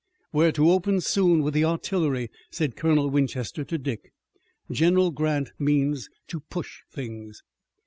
"We're to open soon with the artillery," said Colonel Winchester to Dick. "General Grant means to push things."